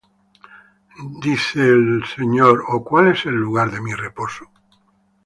dice el Señor; ¿O cuál es el lugar de mi reposo?